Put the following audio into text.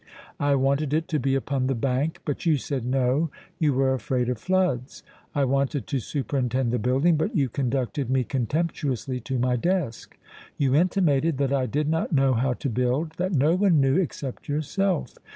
I wanted it to be upon the bank, but you said No, you were afraid of floods. I wanted to superintend the building, but you conducted me contemptuously to my desk. You intimated that I did not know how to build that no one knew except yourself.